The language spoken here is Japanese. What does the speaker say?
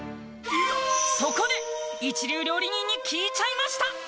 そこで一流料理人に聞いちゃいました